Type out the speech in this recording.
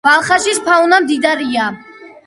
ბალხაშის ფაუნა მდიდარია.